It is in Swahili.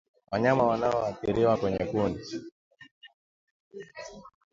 Wanyama wanaoathiriwa kwenye kundi